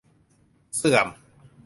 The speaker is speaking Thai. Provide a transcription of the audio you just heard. เสื่อม